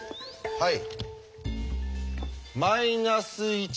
はい。